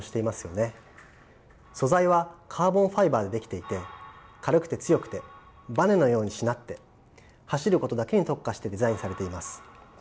素材はカーボンファイバーで出来ていて軽くて強くてバネのようにしなって走ることだけに特化してデザインされています。